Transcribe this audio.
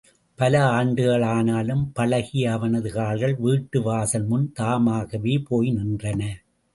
பல ஆண்டுகள் ஆனாலும், பழகிய அவனது கால்கள் வீட்டு வாசல் முன் தாமாகவே போய் நின்றன.